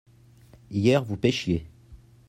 hier vous pêchiez.